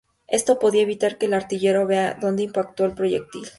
Esto podía evitar que el artillero vea dónde impacto el proyectil.